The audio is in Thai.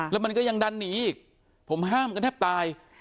แล้วมันก็ยังดันหนีอีกผมห้ามกันแทบตาย